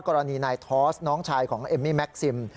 กรณีนายทอสน้องชายของเอมมี่แม็กซิม